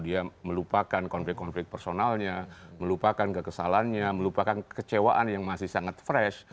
dia melupakan konflik konflik personalnya melupakan kekesalannya melupakan kecewaan yang masih sangat fresh